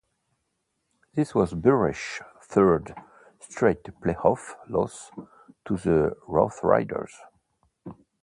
This was Burris' third straight play-off loss to the Roughriders.